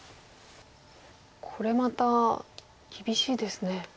これまた厳しいですね。